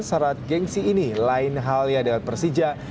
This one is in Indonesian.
syarat gengsi ini lain halnya dengan persija